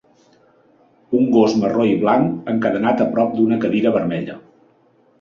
Un gos marró i blanc encadenat a prop d'una cadira vermella.